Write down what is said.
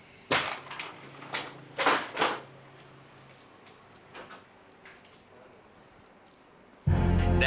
aku akan mencari dia